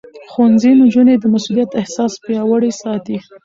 ښوونځی نجونې د مسؤليت احساس پياوړې ساتي.